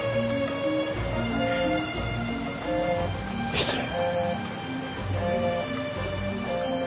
失礼。